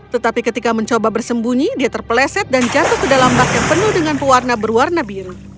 tetapi ketika mencoba bersembunyi dia terpeleset dan jatuh ke dalam bak yang penuh dengan pewarna berwarna biru